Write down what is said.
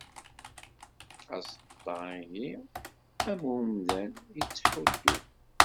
Aẓeṭṭa ihi am umdan, yettḥuddu.